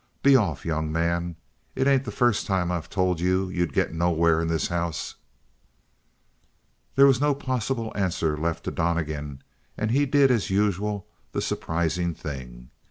Be off, young man. It ain't the first time I've told you you'd get nowhere in this house!" There was no possible answer left to Donnegan, and he did as usual the surprising thing.